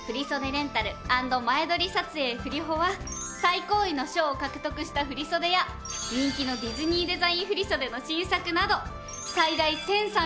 レンタル＆前撮り撮影ふりホは最高位の賞を獲得した振袖や人気のディズニーデザイン振袖の新作など。